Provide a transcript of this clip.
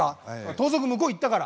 盗賊向こう行ったから。